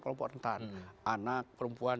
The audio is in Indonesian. kelompok rentan anak perempuan